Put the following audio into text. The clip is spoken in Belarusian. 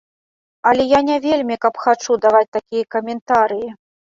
Але я не вельмі каб хачу даваць такія каментарыі.